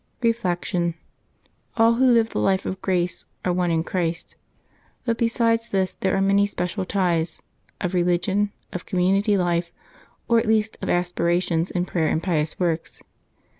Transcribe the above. Reflection. — All who live the life of grace are one in Christ. But besides this there are many special ties — of religion, of community life, or at least of aspirations in prayer, and pious works.